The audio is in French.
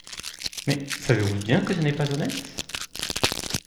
Mais savez-vous bien que ce n’est pas honnête !…